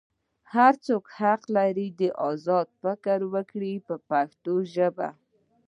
هر څوک حق لري چې ازاد فکر وکړي په پښتو ژبه.